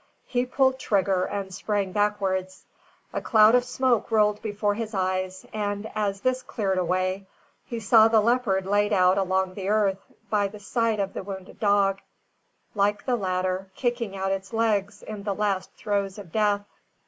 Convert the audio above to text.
He pulled trigger and sprang backwards. A cloud of smoke rolled before his eyes, and, as this cleared away, he saw the leopard laid out along the earth by the side of the wounded dog, like the latter, kicking out its legs in the last throes of death.